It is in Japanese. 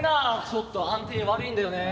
ちょっと安定悪いんだよね。